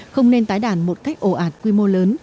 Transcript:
không nên tái đàn một cách ồ ạt quy mô lớn